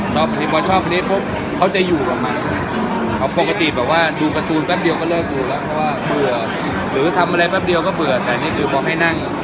ตอนนี้ร้องได้ทั้งเพลงแล้วแต่ถูกต้องทั้งหมดประมาณ๖๐